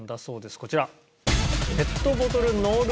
こちら。